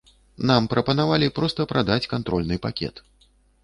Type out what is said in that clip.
Нам прапанавалі проста прадаць кантрольны пакет.